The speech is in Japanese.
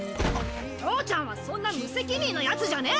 父ちゃんはそんな無責任なヤツじゃねえ！